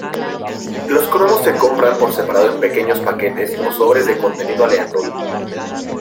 Los cromos se compran por separado en pequeños paquetes o sobres de contenido aleatorio.